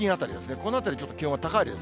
このあたり、ちょっと気温が高いです。